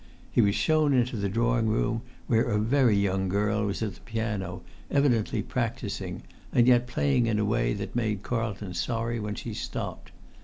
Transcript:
He was shown into the drawing room, where a very young girl was at the piano, evidently practising, and yet playing in a way that made Carlton sorry when she stopped.